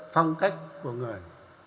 phong cách của người